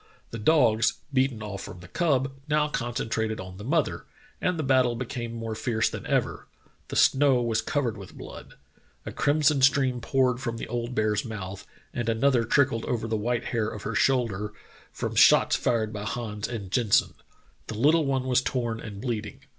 The dogs, beaten off from the cub, now concen trated on the mother, and the battle became more fierce than ever. The snow was covered with blood. A crim son stream poured from the old bear's mouth and an other trickled over the white hair of her shoulder, from i62 True Tales of Arctic Heroism shots fired by Hans and Jensen. The little one was torn and bleeding.